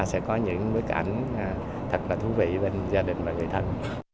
sẽ có những bức ảnh thật là thú vị bên gia đình và người thân